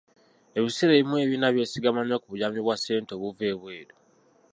Ebiseera ebimu ebibiina byesigama nnyo ku buyambi bwa ssente obuva ebweru.